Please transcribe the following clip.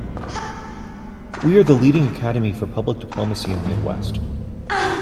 We are the leading academy for public diplomacy in the Midwest